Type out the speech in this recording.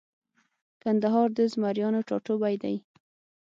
کندهار د زمریانو ټاټوبۍ دی